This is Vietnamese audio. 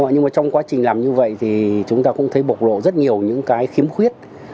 nhưng mà trong quá trình làm như vậy thì chúng ta cũng thấy bộc lộ rất nhiều những cái khiếm khuyết